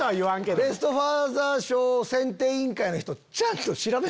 ベスト・ファーザー賞選定委員会の人。